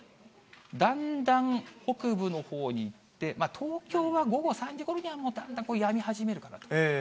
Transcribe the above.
だんだん北部のほうに行って、東京は午後３時ごろにはもうだんだんやみ始めるかなと。